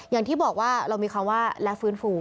อย่างที่บอกว่าเรามีคำว่าและฟื้นฟู